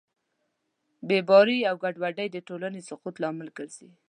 بېباورۍ او ګډوډۍ د ټولنې د سقوط لامل ګرځي.